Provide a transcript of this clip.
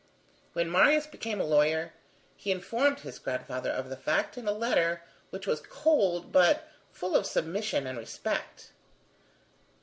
When Marius became a lawyer, he informed his grandfather of the fact in a letter which was cold but full of submission and respect.